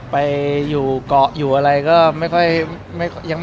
ไปอยู่เกาะอยู่อะไรก็ไม่ค่อย